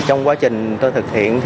trong quá trình tôi thực hiện